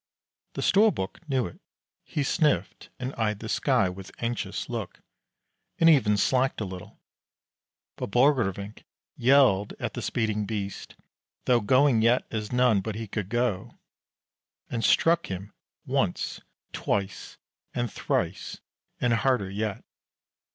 The Storbuk knew it. He sniffed, and eyed the sky with anxious look, and even slacked a little; but Borgrevinck yelled at the speeding beast, though going yet as none but he could go, and struck him once, twice, and thrice, and harder yet.